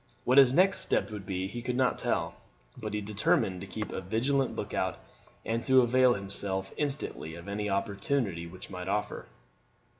What his next step would be he could not tell; but he determined to keep a vigilant lookout, and to avail himself instantly of any opportunity which might offer.